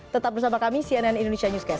tetap bersama kami cnn indonesia newscast